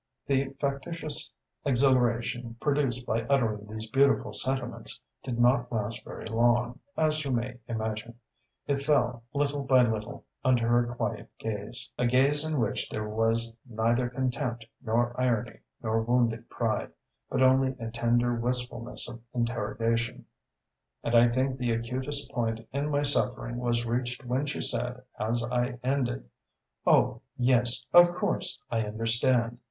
"The factitious exhilaration produced by uttering these beautiful sentiments did not last very long, as you may imagine. It fell, little by little, under her quiet gaze, a gaze in which there was neither contempt nor irony nor wounded pride, but only a tender wistfulness of interrogation; and I think the acutest point in my suffering was reached when she said, as I ended: 'Oh; yes, of course I understand.